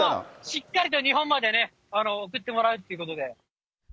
しっかりと日本までね、送ってもらうっていうことで。